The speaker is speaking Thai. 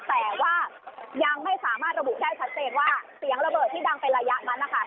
แต่ว่ายังไม่สามารถระบุได้ชัดเจนว่าเสียงระเบิดที่ดังเป็นระยะนั้นนะคะ